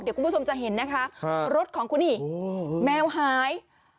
เดี๋ยวคุณผู้ชมจะเห็นนะคะรถของคุณอีกแมวหาย